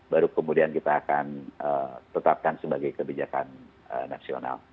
baru kemudian kita akan tetapkan sebagai kebijakan nasional